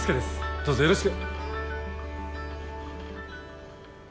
どうぞよろしく！